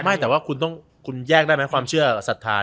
ไม่แต่ว่าคุณต้องคุณแยกได้ไหมความเชื่อศรัทธา